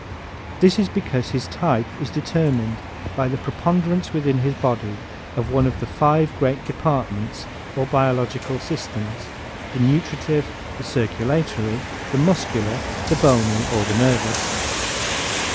This is because his type is determined by the preponderance within his body of one of the five great departments or biological systems the nutritive, the circulatory, the muscular, the bony or the nervous.